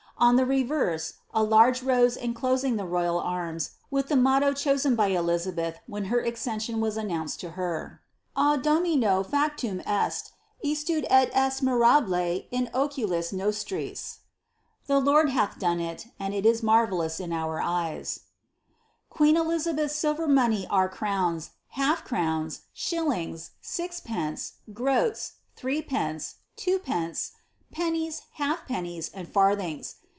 On thi reverse, a large rose enclosing the royd arms, with the motto chosen hf Elizabeth when her accession was annonnced to her^— ^A Difo. FaoiU Est. Istud. et Mirab. Ocoin» Nbis,'* —^ The Lord hath done Hi mai it is marvellous in our eyes." Qpeen Elisabeth's silver money are crowns, hatf^crowns, ahiOingii six pences, groaia, three penees, two pences^ pennies, halfpennies, UM farthings.